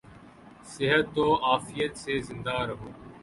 صحت و عافیت سے زندہ رہوں